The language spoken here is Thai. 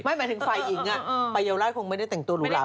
ไม่หมายถึงไฟอิงปลายเยาวราชคงไม่ได้แต่งตัวลูกหลา